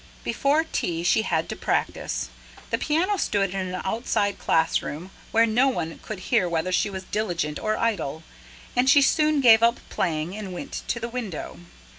Before tea, she had to practise. The piano stood in an outside classroom, where no one could hear whether she was diligent or idle, and she soon gave up playing and went to the window.